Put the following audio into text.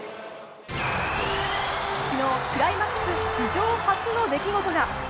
昨日、クライマックス史上初の出来事が。